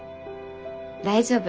大丈夫。